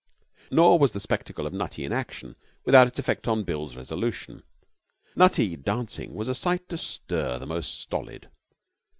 Nor was the spectacle of Nutty in action without its effect on Bill's resolution. Nutty dancing was a sight to stir the most stolid.